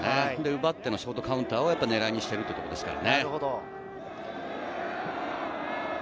奪ってのショートカウンターを狙いにしているっていうことですからね。